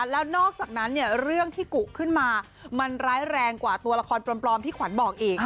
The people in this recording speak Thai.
แล้วนอกจากนั้นเรื่องที่กุขึ้นมามันร้ายแรงกว่าตัวละครปลอมที่ขวัญบอกอีก